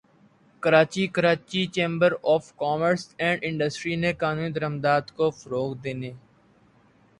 Karachi Karachi chamber of commerce and industry نے قانونی درآمدات کو فروغ دینے